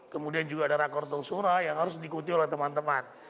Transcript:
kemudian juga ada rakor untuk surah yang harus diikuti oleh teman teman